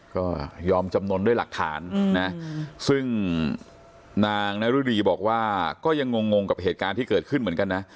ก็ยอมจำนวนด้วยหลักฐานนะซึ่งนางนรุดีบอกว่าก็ยังงงกับเหตุการณ์ที่เกิดขึ้นเหมือนกันนะ